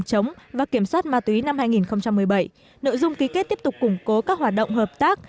chống và kiểm soát ma túy năm hai nghìn một mươi bảy nội dung ký kết tiếp tục củng cố các hoạt động hợp tác